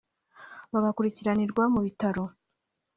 bagakurikiranirwa mu bitaro